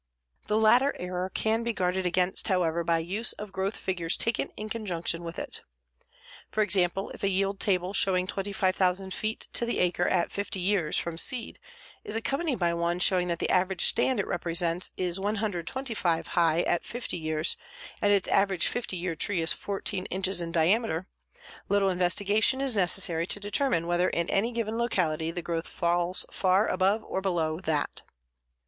The latter error can be guarded against, however, by use of growth figures taken in conjunction with it. For example, if a yield table showing 25,000 feet to the acre at 50 years from seed is accompanied by one showing that the average stand it represents is 125 high at 50 years and its average 50 year tree is 14 inches in diameter, little investigation is necessary to determine whether in any given locality the growth falls far above or below that.